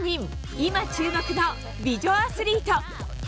今、注目の美女アスリート。